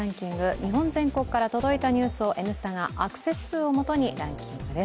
日本全国から届いたニュースを「Ｎスタ」がアクセス数を基にランキングです。